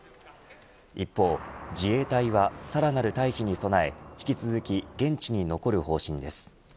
一方、自衛隊はさらなる退避に備え、引き続き現地に残る方針です。